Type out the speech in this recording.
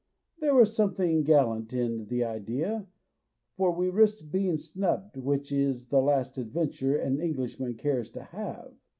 There was something gallant in the idea, for we risked being snubbed, which is the last adventure an Englishman cares to have.